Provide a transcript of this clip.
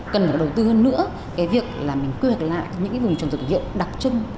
cần phải đầu tư hơn nữa cái việc là mình quy hoạch lại những cái vùng trồng dược liệu đặc trưng